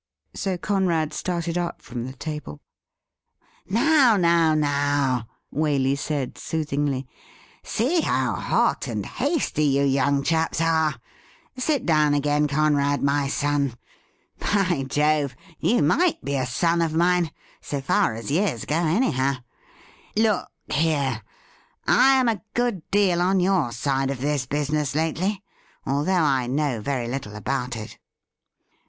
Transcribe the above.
So Conrad started up from the table. ' Now, now, now !' Waley said soothingly. ' See how hot and hasty you young chaps are. Sit down again, Conrad, my son. By Jove ! you might be a son of mine, so far as years go, anyhow. Look here : I am a good deal on your side of this business lately, although I know very little about it.'